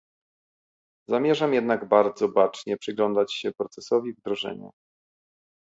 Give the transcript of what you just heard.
Zamierzam jednak bardzo bacznie przyglądać się procesowi wdrożenia